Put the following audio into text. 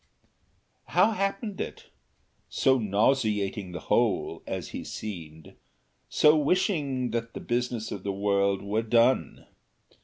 How happened it? so nauseating the whole, as he seemed, so wishing that the business of the world were done!